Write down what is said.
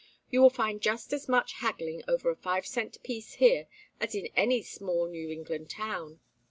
You will find just as much haggling over a five cent piece here as in any small New England town.